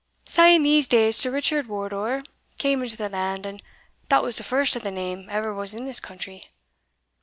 "Sae in these days Sir Richard Wardour came into the land, and that was the first o' the name ever was in this country.